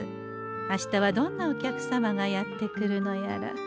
明日はどんなお客様がやって来るのやら。